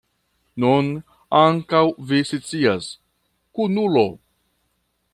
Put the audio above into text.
Nun ankaŭ vi scias, kunulo.